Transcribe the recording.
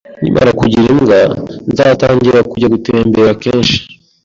Nkimara kugira imbwa, nzatangira kujya gutembera kenshi.